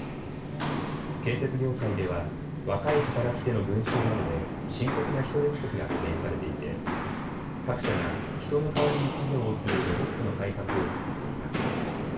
建設業界では若い働き手の減少などで深刻な人手不足が懸念されていて各社が人の代わりに作業をするロボットの開発を進めています。